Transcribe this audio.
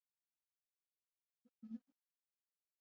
چې شپږ سوه ئې په اوبو كي او څلور سوه ئې په وچه كي